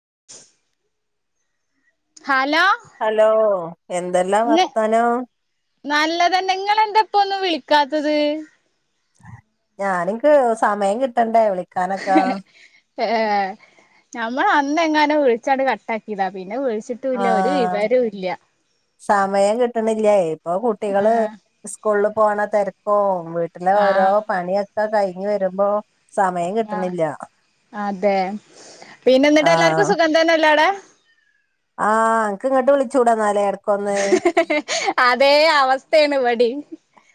[inaudible] Hello hello എന്തെല്ലാം വർത്താനം നല്ലത് തന്നെ നിങ്ങളന്താ ഇപ്പ ഒന്നും വിളിക്കാത്തത് ഞാനിനിക്ക് സമയം കിട്ടണ്ടേ വിളി ഏ നമ്മൾ അന്ന് എങ്ങാനും വിളിച്ചാണ്ട് കട്ടാക്കിയതാ പിന്നെ വിളിച്ചിട്ടുംല്ല ഒരു ആഹ് വിവരും ഇല്ല സമയം കിട്ടണില്ലേ ഇപ്പൊ കുട്ടികള് ആഹ് സ്കൂളില് പോണ തിരക്കും വീട്ടിലെ ഓരോ ആഹ് പണിയൊക്കെ കഴിഞ്ഞു വരുമ്പോ സമയം ആഹ് കിട്ടണില്ല അതെ പിന്നെ എന്നിട്ട് ആഹ് എല്ലാർക്കും സുഖം തന്നെല്ലെ അവിടെ ആഹ് അന്ക്ക് ഇങ്ങോട്ട് വിളിച്ചുടെ ഇടക്ക് അതേ അവസ്ഥയാണ് ഇവെടീം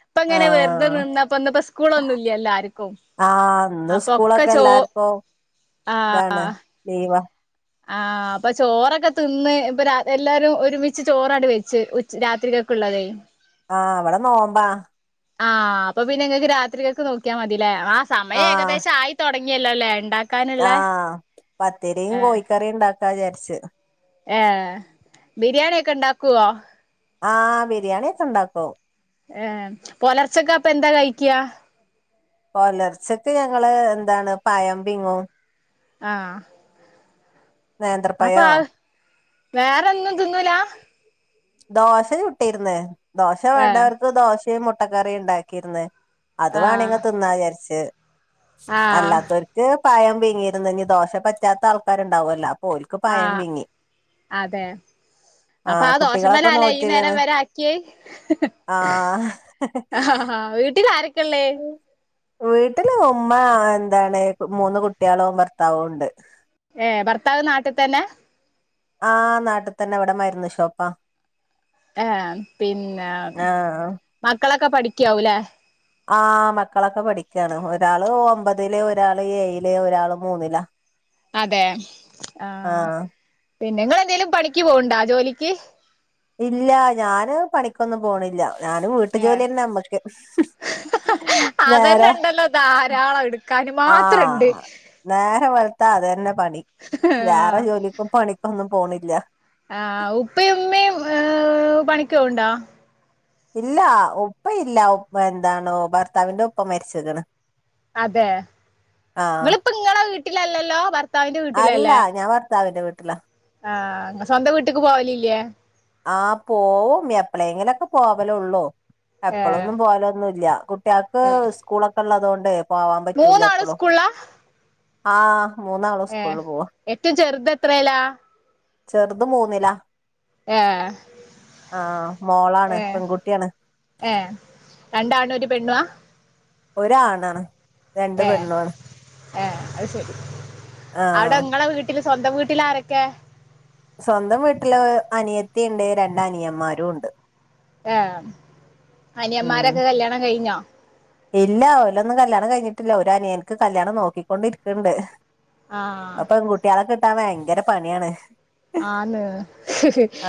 ഇപ്പ അങ്ങനെ വെറുതെ ആഹ് നിന്നപ്പോ സ്കൂളൊന്നും ഇല്ലല്ലോ ആർക്കും ആഹ് ഇന്ന് അപ്പൊ ഒക്കെ സ്കൂളൊക്കെ ചോ എല്ലാർക്കും ഇതാണ് ലീവാ ആ അപ്പൊ ചോറൊക്കെ തിന്ന് ഇപ്പൊ എല്ലാരും ഒരുമിച്ച് ചോറട് വെയ്ച്ച് ഉ രാത്രി ക്കുള്ളതെ ആഹ് ഇവിടെ നോമ്പാ ആഹ് അപ്പൊ പിന്നെ നിങ്ങക്ക് രാത്രികൾക്ക് നോക്കിയാ മതില്ലേ ആ സമയംഏകദേശം ആയി തുടങ്ങിയല്ലോല്ലേ ഇണ്ടാ ആ പത്തിരിയും ഏഹ് കോഴിക്കറിയും ഇണ്ടാക്കാന്ന് വിചാരിച്ച് ഏഹ് ബിരിയാണി ഒക്കെ ഇണ്ടാക്കുവോ ആ ബിരിയാണി ഒക്കെ ഇണ്ടാക്കും ഏഹ് പുലർച്ചക്കപ്പാ എന്താ കഴിക്കാ പുലർച്ചക്ക് ഞങ്ങള് എന്താണ് പഴം പിങ്ങും ആഹ് നേന്ത്രപഴോ വേറെന്നും തിന്നൂല ദോശ ചുട്ടിരുന്ന് ദോശ ഏഹ് വേണ്ടവർക്ക് ദോശയും മുട്ടക്കറിയും ഉണ്ടാക്കിയിരുന്ന് അത് ആഹ് വേണെങ്ങിൽ തിന്നാന്ന് വിചാരിച്ച് ആഹ് അല്ലാത്തവർക്ക് പഴം പീങ്ങിയിരുന്ന് ദോശ പറ്റാത്ത ആൾക്കാരുണ്ടാവുമല്ലോ ഓൽക്ക് പയം ആഹ് പിങ്ങി അതെ അപ്പൊ ആ ആഹ് ദോ കുട്ടികളൊക്കെ ശമലാല്ലേ ഈ നേരം നോറ്റിരിക്കണ് വരെ ആക്കിയെ ആഹ് വീട്ടി ൽ ഇത് ആരൊക്കെയാ ഉള്ളേ വീട്ടില് ഉമ്മ എന്താണ് മൂന്ന് കുട്ടികളും ഭർത്താവും ഉണ്ട് ഏഹ് ഭർത്താവ് നാട്ടിൽത്തന്നെ ആ നാട്ടിൽത്തന്നെ ഇവിടെ മര്ന്ന് ഷോപ്പാ ഏ പിന്നെ ആഹ് മക്കളൊക്കെ പഠിക്കാവൂലേ ആ മക്കളൊക്കെ പഠിക്കയാണ് ഒരാള് ഒമ്പതില് ഒരാള് ഏയില് ഒരാള് മൂന്നിലാ അതെ ആ ആഹ് പിന്നെ നിങ്ങളെന്തെങ്കിലും പണിക്ക് പോക്ണ്ടോ ജോലിക്ക് ഇല്ല ഞാന് പണിക്കൊന്നും പോണില്ല ഞാന് വീട്ടു ഏ ജോലി തന്നെ നമ്മക്ക് അതന്നെ വേറെ ഉണ്ടല്ലോ ധാരാളം എടുക്കാന് ആഹ മാത്രണ്ട് നേരെ വ ളുത്ത. അതന്നെ പണി വേറെ ജോലിക്കും പണിക്കൊന്നും പോണില്ല ആഹ ഉപ്പയും ഉമ്മയും പണിക്ക് പോകുന്നുണ്ടോ ഇല്ല ഉപ്പ ഇല്ലപ്പ എന്താണോ ഭർത്താവിന്റെ ഉപ്പ മരിച്ച്ക്കണ് അതെ നിങ്ങളിപ്പ നിങ്ങളെ വീട്ടിലല്ലല്ലോ ഭർത്താവിറെ അല്ല വീട്ടിലല്ലേ ഞാൻ ഭർത്താവിന്റെ വീട്ടില ആഹ് അ സ്വന്തം വീട്ടിക്ക് പോവലല്ലേ ആ പോവും എപ്പളെങ്കിലുംക്കെ പോവലേ ഉള്ളൂ ഏ എപ്പോഴൊന്നും പോലൊന്നുമല്ല കുട്ടികൾക്ക് ഏ സ്കൂളൊക്കെ ഉള്ളതുകൊണ്ട് പോവാൻ പറ്റൂല മൂന്നാളും എപ്പളും ആഹ ഏ ഏറ്റവും ചെറുത എത്രല്ലാ ചെറുത മൂന്നില്ലാ ഏഹ് ആഹ മോളാണ് ഏഹ് പെൺകുട്ടിയാണ് ഏഹ് രണ്ടാണും ഒരു പെണ്ണുവാ ഒരാണാണ് രണ്ട് പെണ്ണുആണ് ഏ അത് ശെരി ആഹ് അവിടെ നിങ്ങളെ വീട്ടില് സ്വന്തം വീട്ടിൽ ആരൊക്കെ സ്വന്തം വീട്ടില് അനിയത്തിുണ്ട് രണ്ട് അനിയന്മാരും ഉണ്ട് ആഹ ഉം അനിയന്മാരൊക്കെ കല്യാണം കഴിഞ്ഞാ ഇല്ല ഓലൊന്നും കല്യാണം കഴിഞ്ഞിട്ടില്ല ഒരു അനിയൻക്ക് കല്യാണം നോക്കിക്കൊണ്ടിരിക്കണ്ട് ആഹ് പെൺ കുട്ടിയാളെ കിട്ടാൻ ഭയങ്കര പണിയാണ് ആന്ന്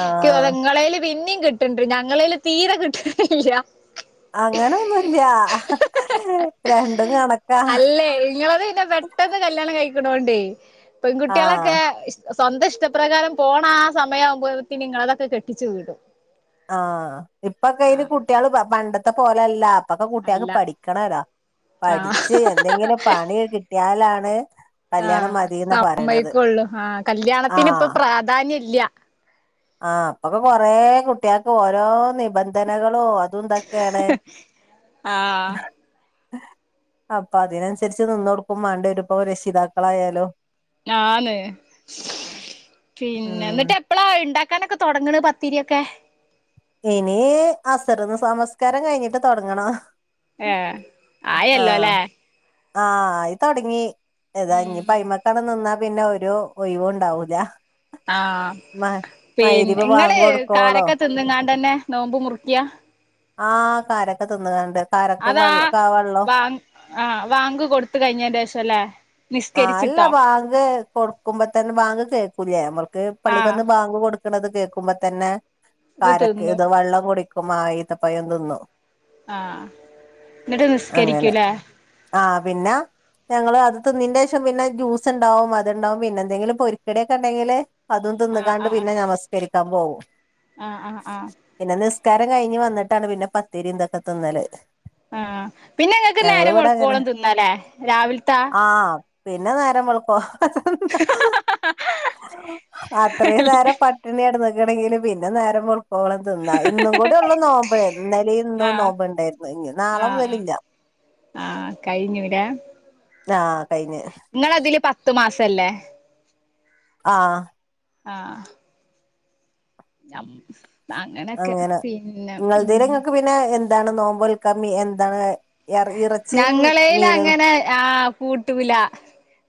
ആഹ് ക്ക്തോന്ന ഇങ്ങള്ൽ പിന്നിം കിട്ടണ്ട് ഞങ്ങളല് തീരെ കിട്ടില്ല അങ്ങനെൊന്നുമല്ല രണ്ടും കണക്കാ ത് പിന്നെ പെട്ടെന്ന് കല്യാണം കഴിക്കണോണ്ട് എ പെൺകുട്ടികളൊക്കെ ആഹ് സ്വന്തം ഇഷ്ട പ്രകാരം. പോണ ആ സമയമാവുമ്പോഴ നിങ്ങളതൊക്കെ കെട്ടിച്ചു വിടും ആഹ ഇപ്പൊക്കെന് ആഹ് കുട്ടികള് പണ്ടത്തെ പോലെല്ല അപ്പൊക്കെ കുട്ടികക്ക് അല്ല പഠിക്കണല്ലോ ആഹ് പഠിച്ച് എന്തെങ്കിലും പണി കിട്ടിയാലാണ് കല്യാണം ആഹ മതീന്നാ പറയണത് സമ്മയിക്കുള്ളു ആഹ കല്യാണത്തിന് ഇപ്പൊ പ്രാധാന്യം ഇല്ല ആ അപ്പൊക്കെ കൊറെ കുട്ടികൾക്ക് ഓരോ നിബന്ധനകൾ ളും അതുംന്തൊക്കെയാണ് ആഹ് അപ്പൊ അതിനനുസരിച്ച് നിന്ന് കൊടുക്കും വേണ്ടി വരുപ്പം രക്ഷിതാക്കളായാലും ആന്ന് പിന്നെ ഉം എന്നിട്ട് എപ്പഴാ ഉണ്ടാക്ക ക്കനൊക്കെ തുടങ്ങണ് പത്തിരിയ ഒക്കെ ഇനി അസർന്ന് നിമസ്കാരം കഴിഞ്ഞിട്ട് തുടങ്ങണം ഏ ആയല്ലോ അല്ലേ ആയി തുടങ്ങി താ ഉം ഇപ്പോ ഐമക്കണ നിന്നാ പിന്നെ ഒരു ഒഴിവ് ഉണ്ടാവൂല ആഹ പിന്ന നിങ്ങള് ബാങ്ക് കൊടുക്കോളം കാരക്കെ തിന്ന്ങ്ങ ടെന്നെ. നോമ്പ് മുറക്കിയ ആഹ് കാരക്ക തിന്ന്കാണ്ട് കാരക്കും അതാ വെള്ള കാ വെള്ളം ബാങ്ക് ആഹ വാങ്ക് കൊടുത്ത കഴിഞ്ഞ ശേഷം അല്ലേ ആ അല്ല ബാങ്ക് കൊടുക്കുമ്പോ തന്നെ ബാങ്ക് കേക്കൂലേ നമ്മൾക്ക് ആഹ് പള്ളിക്കൊന്ന് ബാങ്ക് കൊടു ക്കണത് കേൾക്കുമ്പോ തന്നെ ഇത് കരക്ക് തിന്നും ഇത് വെള്ളം കുടിക്കും ആ ഈത്തപ്പയ തിന്നും ആഹ എന്നിട്ട് അങ്ങനെ നിസ്കരിക്കൂലേ ആഹ് പിന്നെ ഞങ്ങള് അത് ത്തുന്നതിന്റെ ശേഷം പിന്നെ ജ്യൂസ് ഉണ്ടാവും അതുണ്ടാവും പിന്നെ എന്തെങ്കിലും പൊരിക്കടിയൊക്കെ ഉണ്ടെങ്കില് അതും തിന്നുകാണ്ട് പിന്നെ നമസ്കരിക്കാൻ പോകും ആഹ ആഹ ആഹ നിസ്കാരം കഴിഞ്ഞ് വന്നിട്ടാണ് പിന്നെ പത്തേരി ഇന്തൊക്കെ തിന്നാല് ആഹ പിന്നെ ങ്ങൾക്ക് നേരം അങ്ങനെ വെളുക്കോളും തിന്നല്ലേ രാവിലത്തൊ ആ പിന്നെ നേരം വിളക്കോ ന്ത അത്രയും നേരം പട്ടിണിയിട ണെങ്ക പിന്നെ നേരം [unintelligible] കോളം തിന്നാ ഇന്നും കൂടേള്ളുനോമ്പ് ന്നലേം ന്നും ആഹ് നോമ്പ്ണ്ടായിരുന്നു ഇ നാളെ മുതലല്ല ആ കഴിഞ്ഞൂ ആഹ് കഴിഞ്ഞ് ലെങ്ങളതില് പത്ത്മാസം ത്തല്ലേ ആഹ് ആഹ അങ്ങനൊക്കെ അങ്ങനെ പിന്നെ ഉം ഇങ്ങളതീല് ഇങ്ങക്ക് പിന്നെ എന്താണ് നോമ്പോൽ കമ്മി എന്താണ് എർ ഇറച്ചിയും ഞങ്ങളേല മീനും അങ്ങനെ ആ കൂട്ടൂല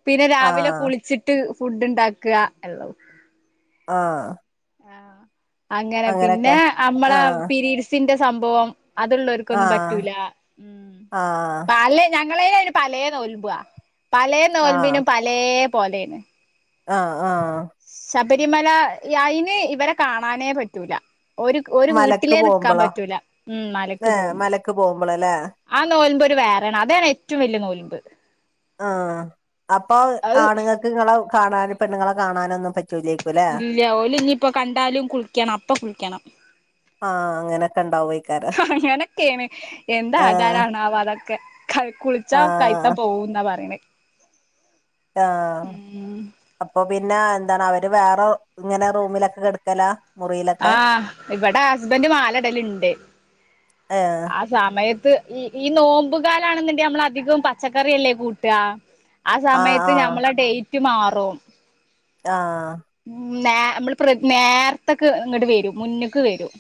പിന്നെ രാവിലെ ആഹ് കുളിച്ചിട്ട് ഫുഡ് ഉണ്ടാക്കുക എള്ളോ ആഹ ആ അങ്ങനെ പിന്നെ അമ്മള ആഹ് പിീരീഡ്സിന്റെ സംഭവം അത്ള്ളാർക്കൊന്നും ആഹ് പറ്റൂല ഉ ആഹ് അ ഞ ഞങ്ങളേനന് പലേ നോൽമ്പുവാ പലേ നോൽമ്പിനും പലേ പോലെയന്ന് ആഹ ആഹ ശബരിമല അയിന് ഇവരെ കാണാനേ പറ്റൂല ഒരു ഒരു മലക്ക് വീട്ടിലേ നക്കാൻ പോകുമ്പളോ പറ്റൂല ഉ മലക്ക് ഏ പോകുമ്പോ മലക്ക് പോകുമ്പോളല്ലേ ആ നോൽമ്പ് വേറേണ് അതാണ് ഏറ്റവും വലിയ നോൽമ്പ് ആ അപ്പൊ അത് ആണുങ്ങൾക്ക് ഇങ്ങളെ കാണാനും പെണ്ണുങ്ങളെ കാണാന ഒന്നും പറ്റ ഇല്ല ഓല ഇനിയിപ്പൊ കണ്ടാലും കുളിക്കണം അപ്പൊ കുളിക്കണം ആ അങ്ങനെയൊക്കെ ഉണ്ടാവോയ്ക്കാരം ആ അങ്ങനൊക്കേണ്എന്താജാര ഇണാവോതക്കെ ഒെ ക കുളിച്ച ആ കഴത്താ പോകന്നാ പറയണേ ആഹ ഉം അപ്പൊ പിന്നെ എന്താണ് അവര് വേറെ ഇങ്ങനെ റൂമിലൊക്കെ കെട്ക്കലാ ആഹ് ഇവിടെ ഹസ്ബൻഡ് മാലടലുണ്ട് ഏ ആ സമയത്ത് ഈ ഈ നോമ്പുകാലാണെന്നുണ്ടെ നമ്മള അധികം പച്ചക്കറിയല്ലേ കൂട്ടുക ആ സമയത്ത് ഞമ്മളെ ഡേറ്റ് മാറും ആഹ ഉം നേ നമ്മൾ നേരത്തക്കെ ഇങ്ങോട്ട് വരും മുന്ന്ക്ക് വരും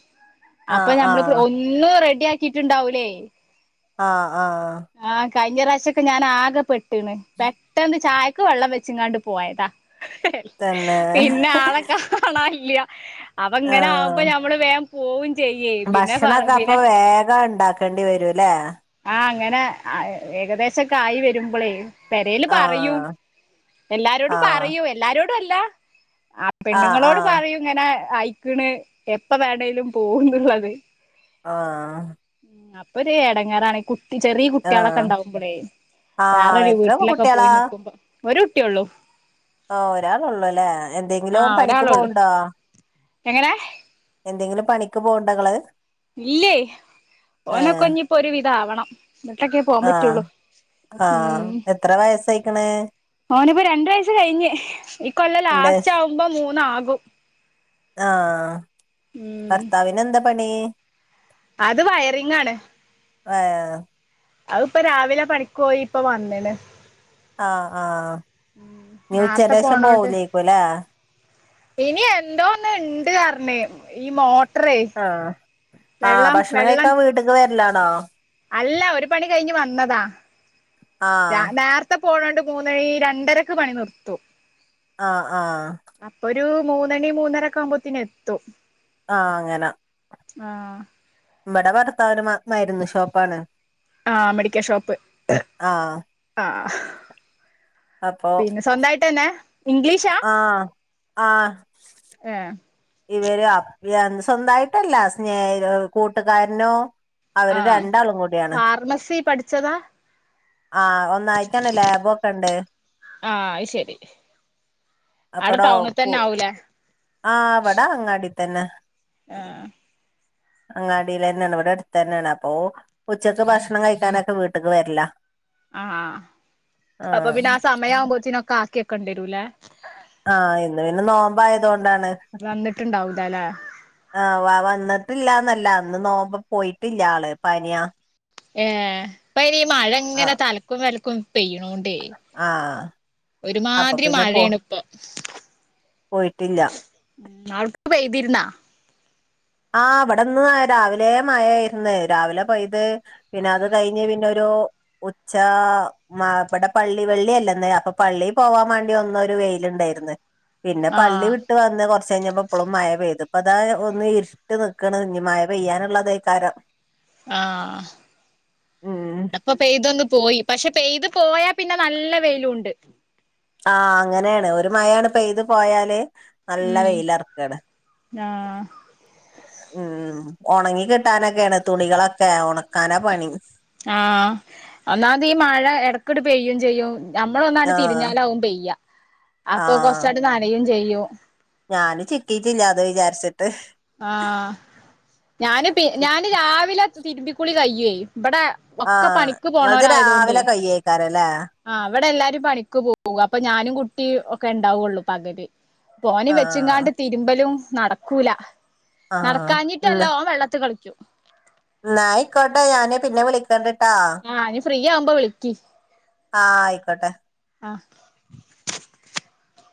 ആ അപ്പൊ ആ നമ്മളി ഒന്നും റെഡി ആക്കിട്ടുണ്ടാവൂലേ ആഹ ആഹ് ആഹ് കഴിഞ്ഞ പ്രാവശ്യൊക്കെ ഞാൻ ആകെപ്പെെട്ടിണ് പെട്ടന്ത് ചായക്ക് വെള്ളം വെച്ചിങ്ങാണ്ട് പോയതാ തന്നെ പിന്നെ ആളെ കാണാൻല്ല അപ്പ ആ ഇങ്ങനെ ആകുമ്പോ നമ്മള് വേം പോവുംും ഭക്ഷണൊക്കെ അപ്പ വേഗം ഉണ്ടാക്കേണ്ടി വരൂല്ലേ ആഹ് അങ്ങനെ ഏകദേശംക്കെ ആയി വരുമ്പോളേ പെരൽ ആ ആ പറയുംഎല്ലാരോടും പറയും എല്ലാരോടും അല്ല ആ പെണ്ണുങ്ങളോട് പറയും ഇങ്ങനെ ആയ്ക്കണ് എപ്പ വേണേലും പോകുന്നുുള്ളത് ആഹ ഒരു എടങ്ങേറാണ് ചെറിയ ആ ആ കുട്ടികളൊക്കെ ഉണ്ടാാവുമ്പോഴേ ആ വേറരു എത്ര വീട്ടിലൊക്കെ പോയി കുട്ടികളാ നക്കുമ്പോ ഒരു കുട്ടിയോള്ളൂ ആ ഒരാളള്ളൂല്ലേ ആഹ് എന്തെങ്കിലും പണിക്ക് ഒരാളള്ളൂ പോവണ്ടോ എങ്ങനെ എന്തെങ്കിലും പണിക്ക് പോകണ്ടേ ഇങ്ങള് ഇല്ലേയ് ഓന് ക്കെ. ഏഹ് ഇഞ്ഞ് ഇപ്പോ ഒരു വിധം ആവണം ഇന്നിട്ടൊക്കേ പോവാൻ ആഹ് പറ്റുള്ളൂ ആഹ് ഉം എത്ര വയസ്സായിക്ക്ണ് ഓനിപ്പോ രണ്ട് വയസ്സ് കഴിഞ്ഞ് ഈ കൊല്ലം ഇണ്ട് ലാസ്റ്റ് ആവുമ്പോ മൂന്നാകും വും ആഹ് ഭർത്താവിന് എന്താ പണി അത് വയറിംഗ് ആണ് ഏഹ് അയ് ഇപ്പം രാവിലെ പണി പോയി ഇപ്പോ വന്ന്ണ് ആഹ് ആഹ് ഇഞ് നേരത്തെ ഉച്ചന്റെശേഷം പോണോണ്ട് പോവൂലേയ്ക്കും ല്ലേ ഇനി എന്തോന്ന് ഉണ്ട് പറഞ്ഞ് ഈ മോ ആഹ് ആ ഭക്ഷണം വെള്ളം കഴിക്കാൻ വീട്ടക്ക് വരിലാണോ അല്ല ഒരു പണി കഴിഞ്ഞു വന്നതാ ആഹ് നേരത്തെ- പോണണ്ട് മൂന്നഴി രണ്ടരക്ക് പണി നിർത്തു ആഹ് ആഹ് ഒരു മൂന്നണി മൂന്നരക്കെ ആവുമ്പോത്തന് എത്തും ആഹ് അങ്ങനെ ആഹ ഇവിടെ ഭർത്താവിന് മാത്രം - യിരുന്നു ഷോപ്പ് ആണ് ആ മെഡിക്കൽ ഷോപ്പ് ആ- ആ പിന്നെ സ്വന്തമായിട്ട് തന്നെ ഇംഗ്ലീഷാ ആഹ് ആഹ് ഏ ഇവര് സ്വന്തമായിട്ടല്ല സ്നെ കൂട്ടുകാരനോ- ആ അവര് രണ്ടാളും കൂടിയാണ്. ഫാർമസി പഠിച്ചതാ ആഹ ഒന്നായിട്ടാണ് ലാബുയൊക്ക ഒണ്ട് ആ അത് ശരി അവിടെ പപ്പടോം ടൗണിൽ തന്നെ ഉപ്പും ആവൂലേ ആ അവിടാ അങ്ങാടി തന്നെ ആഹ് അങ്ങാടിൽ തന്നെയാണ് ഇവിടെ അടുത്ത് തന്നെയാണ് അപ്പൊ ഉച്ചക്ക് ഭക്ഷണം കഴിക്കാനൊക്കെ വീട്ടക്ക് വരില്ല ആഹ് അപ്പൊ പിന്നെ ആ സമയ ആവുമ്പോ കൊച്ചിന് ഒക്കെ ആക്കി വെക്കേണ്ട വരുവല്ലോയില്ലേ ആഹ് ഇന്ന് പിന്നെ നോമ്പായതോണ്ട് എന്താണ് വന്നിട്ടുണ്ടാവൂലല്ലേ ആ വ വന്ന് ഇട്ടില്ലാന്ന് അല്ല അന്ന് നോമ്പ് പോയിട്ടില്ല ആള് പനിയ- ഏ അപ്പ ഇനി മഴ ആ ഇങ്ങനെ തലക്കും വലക്കും- പെയ്യണോണ്ടേ ആ അപ്പൊ ഒരുമാതിരി പിന്നെ പോ മഴയാണ് ഇപ്പൊ പോയിട്ടില്ല ആവിടെക്ക് പെയ്തിരുന്നാ ആഹ് ഇവിടെ ഇന്ന് രാവിലെ മഴ ആയിരുന്നു രാവിലെ പെയത് പിന്നെ അത് കഴിഞ്ഞ് പിന്നെ ഒരു- [unintelligible] പള്ള വള്ളല്ല പ പോൻ വണ്ട വെയില് ഉണ്ടായിരുന്നു പിന്നെ പള്ളി ആഹ് വിട്ട് വന്ന് കുറച്ച് കഴിഞ്ഞപ്പോ എപ്പോഴും മഴ പെയ്തു ഇപ്പ അതാ ഒന്ന്- ഇട്ട് നിക്കണം ഇഞ്ഞി മഴ പെയ്യാനുള്ളതേക്കാരം. ആഹ് ഉം ഈട ഇപ്പോ പെയ്തൊന്ന് പോയി. പക്ഷെ പെയ്തു പോയാ പിന്നെ നല്ല വെയിലുണ്ട് ആ അങ്ങനെയാണ് ഒരു മഴ അങ്ങട് പെയ്ത് പോയാല് നല്ല വെയില ഇറക്കാണ് ഞാ. ഉം ഒണങ്ങി കിട്ടാനൊക്കെയാണ് തുണികളൊക്കെ ഒണക്കാനാ പണി. ആഹ് ഒന്നാമത് ഈ മഴ ഇടക്കെടു പെയ്യും ചെയ്യും. ഞമ്മള് ഒന്ന് ആ അങ്ങട് തിരിഞ്ഞാലാവും പെയ്യ അപ്പോ കൊറച്ചായിട്ട് നനയും ചെയ്യു ഞാൻ ചിറ്റീട്ടില്ലാതോ വിചാരിച്ചിട്ട് ആഹ ഞാന് പി ഞാന് രാവിലെ തിരുമ്പിക്കുളി കയ്യുവോയി. ഇബടെ ഒക്കെ ആഹ് പണിക്ക് പോണവര് ആയതു കൊണ്ടെ ആ ഇവിടെ എല്ലാരും പണിക്ക് പോകുക അപ്പൊ ഞാനും കുട്ടി ഒക്കെ ഉണ്ടാവുള്ളൂ പകല് ഓനെ ആഹ് വെച്ചുംങ്ങാണ്ട് തിരുമ്പലും നടക്കൂല ആഹ് നടക്കാഞ്ഞിട്ടല്ല ഓൻവെള്ളത്തി കളിക്കും എന്നായിക്കോട്ടെ ഞാന് പിന്നെ വിളിക്കണ്ട് ആഹ നീ ഫ്രീ ആവുമ്പോ വിളിക്കി ആഹ് ആയിക്കോട്ടെ ആഹ